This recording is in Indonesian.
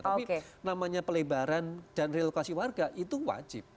tapi namanya pelebaran dan relokasi warga itu wajib